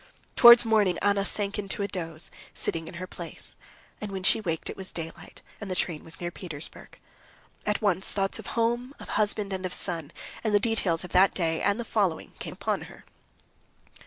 Towards morning Anna sank into a doze, sitting in her place, and when she waked it was daylight and the train was near Petersburg. At once thoughts of home, of husband and of son, and the details of that day and the following came upon her.